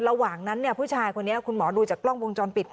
ระหว่างนั้นผู้ชายคนนี้คุณหมอดูจากกล้องวงจรปิด